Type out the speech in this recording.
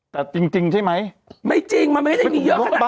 แต่จริงใช่ไหมไม่จริงมันไม่ได้มีเยอะขนาดนี้